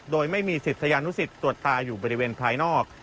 โดยไม่มีศิษยานุสิตตรวจตาอยู่บริเวณภายนอก